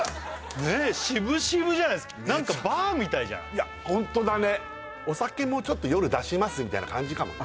ねえ渋渋じゃないですかなんかバーみたいじゃんいやホントだねお酒もちょっと夜出しますみたいな感じかもね